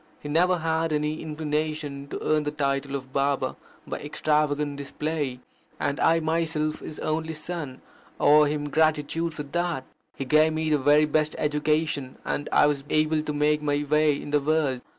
He never had any inclination to earn the title of Baba by extravagant display, and I myself his only son, owe him gratitude for that. He gave me the very best education, and I was able to make my way in the world.